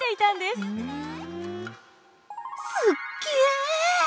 すっげえ。